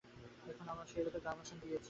এখন আবার সেইরূপে গা ভাসান দিয়েছি।